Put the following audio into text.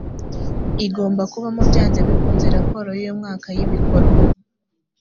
igomba kubamo byanze bikunze raporo y’umwaka y’ibikorwa